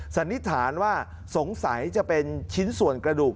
สันนิษฐานว่าสงสัยจะเป็นชิ้นส่วนกระดูก